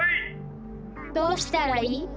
どうしたらいい？